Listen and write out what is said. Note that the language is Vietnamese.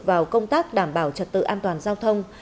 vào công tác đảm bảo trật tự an toàn giao thông